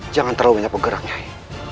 jangan terlalu banyak bergerak nyai